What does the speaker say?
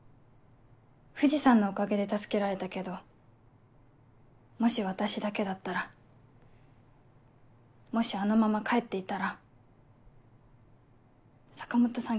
藤さんのおかげで助けられたけどもし私だけだったらもしあのまま帰っていたら坂本さん